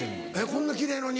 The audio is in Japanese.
こんな奇麗のに。